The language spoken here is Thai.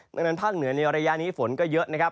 ดังนั้นภาคเหนือในระยะนี้ฝนก็เยอะนะครับ